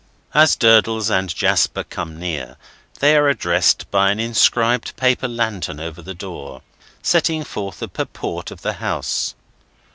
As Durdles and Jasper come near, they are addressed by an inscribed paper lantern over the door, setting forth the purport of the house.